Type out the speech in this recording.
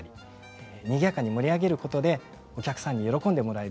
賑やかに盛り上げることでお客さんに喜んでもらえる。